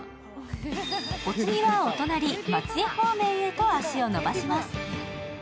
お次は、お隣・松江方面へと足をのばします。